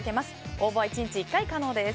応募は１日１回可能です。